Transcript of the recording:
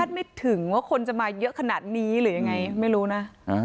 ไม่ถึงว่าคนจะมาเยอะขนาดนี้หรือยังไงไม่รู้นะ